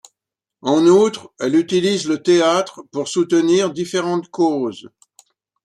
En outre, elle utilise le théâtre pour soutenir différentes causes.